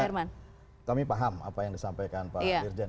karena kami paham apa yang disampaikan pak dirjen